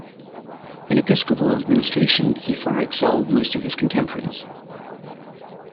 In episcopal administration he far excelled most of his contemporaries.